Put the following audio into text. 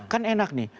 kan enak nih